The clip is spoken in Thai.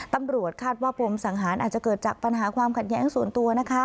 ตำรวจคาดว่าปมสังหารอาจจะเกิดจากปัญหาความขัดแย้งส่วนตัวนะคะ